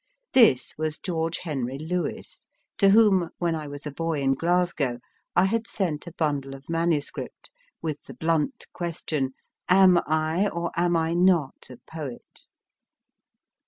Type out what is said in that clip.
This was George Henry Lewes, to whom, when I was a boy in Glasgow , I had sent a bundle of manuscript, with the blunt question, Am I, or am I not, a Poet